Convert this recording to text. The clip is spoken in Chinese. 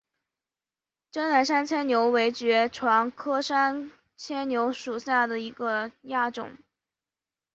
滇南山牵牛为爵床科山牵牛属下的一个亚种。